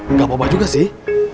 nggak apa apa juga sih